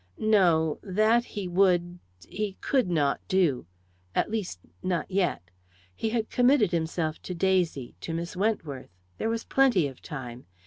No; that he would he could not do. At least not yet. He had committed himself to Daisy, to Miss Wentworth. There was plenty of time.